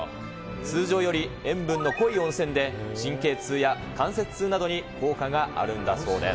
通常より塩分の濃い温泉で、神経痛や関節痛などに効果があるんだそうです。